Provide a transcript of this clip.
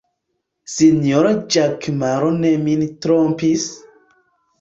Sinjoro Ĵakemaro ne min trompis!